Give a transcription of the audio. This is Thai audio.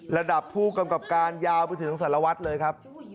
ระดับผู้กำกับการยาวไปถึงสารวัตรเลยครับ